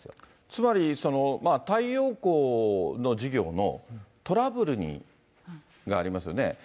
つまり、太陽光の事業のトラブルがありますよね。